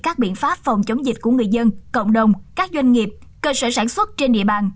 các biện pháp phòng chống dịch của người dân cộng đồng các doanh nghiệp cơ sở sản xuất trên địa bàn